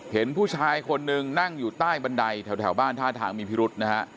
เห็นผู้ชายคนหนึ่งนั่งอยู่ใต้บันไดแถวบ้านท่าทางมีพิรุษนะฮะ